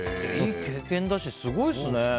いい経験だし、すごいですね。